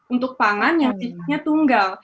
untuk pangan yang sifatnya tunggal